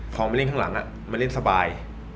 พอมาเล่นข้างหลังมันเล่นสบาย